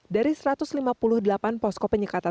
dari satu ratus lima puluh delapan pos kopenyekatan